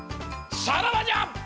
さらばじゃ！